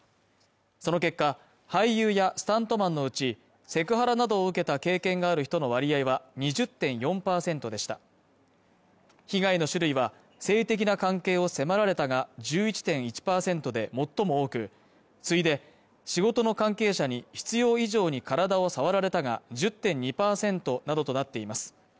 その結果俳優やスタントマンのうちセクハラなどを受けた経験がある人の割合は２０．４％でした被害の種類は性的な関係を迫られたが１１．１％で最も多く次いで仕事の関係者に必要以上に体を触られたが１０．２％などとなっています